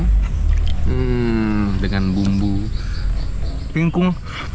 hmm dengan bumbu pingkung